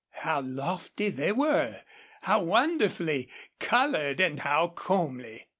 How lofty they were, how wonderfully colored, and how comely!